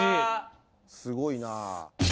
すごいな。